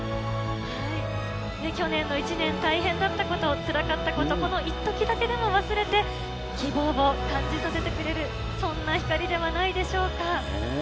去年の一年、大変だったこと、つらかったこと、このいっときだけでも忘れて、希望を感じさせてくれる、そんな光ではないでしょうか。